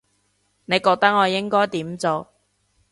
你覺得我應該點做